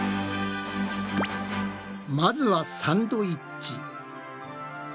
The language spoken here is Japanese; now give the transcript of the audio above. まずはサンドイッチ。